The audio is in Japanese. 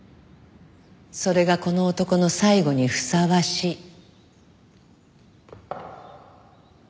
それがこの男の最期にふさわしい。